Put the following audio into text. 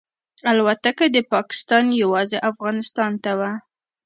الوتکه د پاکستان یوازې افغانستان ته وه.